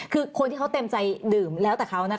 คือคนที่เขาเต็มใจดื่มแล้วแต่เขานะคะ